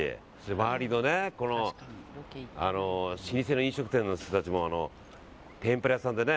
周りの老舗の飲食店の人たちも天ぷら屋さんでね